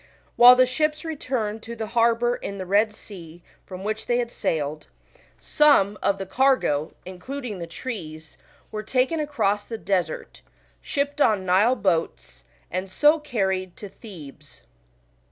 While the ships returned to the harbour in +,he Bed Sea from which they had sailed, some of PICTURE STORY AT THEBES. 35 the ca^go, including the trees, were taken across the deLTt, shipped on Nile boats, and so carried to Thebes.